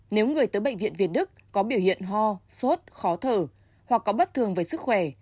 nếu người tới bệnh viện việt đức có biểu hiện ho sốt khó thở hoặc có bất thường về sức khỏe